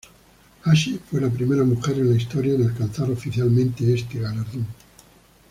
Ashe fue la primera mujer en la historia en alcanzar oficialmente este galardón.